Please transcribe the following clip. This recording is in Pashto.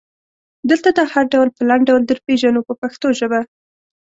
دلته دا هر ډول په لنډ ډول درپېژنو په پښتو ژبه.